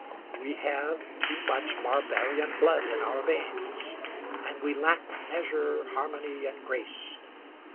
We have too much barbarian blood in our veins, and we lack measure, harmony, and grace.